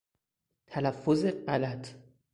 تلفظ غلط